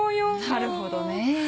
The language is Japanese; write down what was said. なるほどね。